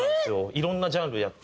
いろんなジャンルやって。